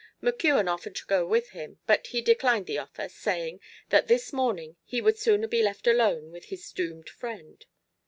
McKeon offered to go with him; but he declined the offer, saying, that this morning he would sooner be left alone with his doomed friend.